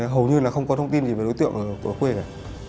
hầu như là không có thông tin gì về đối tượng ở quê này